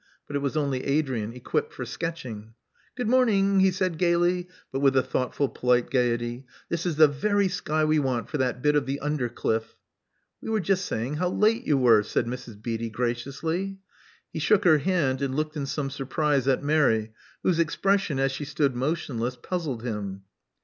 But it was only Adrian, equipped for sketching. Good morning," he said gaily, but with a thought ful, polite gaiety. This is the very sky we want for that bit of the undercliflf." *'We were just saying how late you were," said Mrs. Beatty graciously. He shook her hand, and looked in some surprise at Mary, whose expression, as she stood motionless, puzzled him.